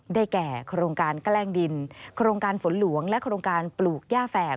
แก่โครงการแกล้งดินโครงการฝนหลวงและโครงการปลูกย่าแฝก